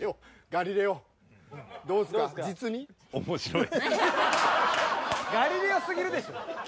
「ガリレオ」すぎるでしょ。